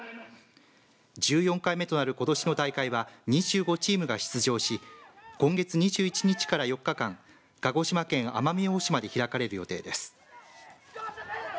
１４回目となることしの大会は２５チームが出場し今月２１日から４日間鹿児島県奄美大島で開かれる予定です。